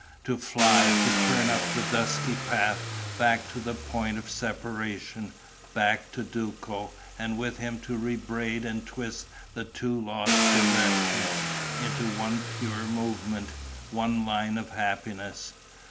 To fly, to turn up the dusky path, back to the point of separation, back to Duco, and with him to rebraid and twist the two lost directions into one pure movement, one line of happiness!...